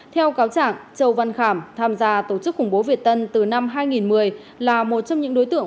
theo cáo chẳng châu văn khảm tham gia tổ chức khủng bố việt tân từ năm hai nghìn một mươi là một trong những đối tượng